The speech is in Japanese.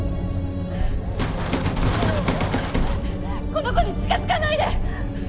この子に近づかないで！